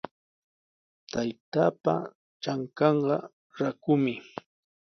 Taytaapa trankanqa rakumi.